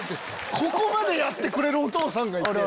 ここまでやってくれるお父さんがいて。